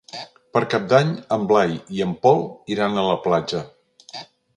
Per Cap d'Any en Blai i en Pol iran a la platja.